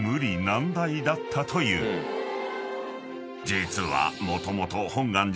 ［実はもともと］